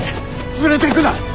連れていくな！